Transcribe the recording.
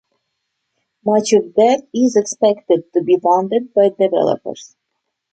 Much of that is expected to be funded by developers.